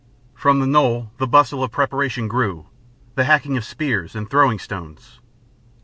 From the knoll the bustle of preparation grew, the hacking of spears and throwing stones.